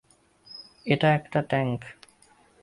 এটা একটা ট্যাঙ্ক!